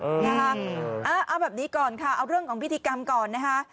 เอาแบบนี้ก่อนค่ะเอาเรื่องของพิธีกรรมก่อนนะคะ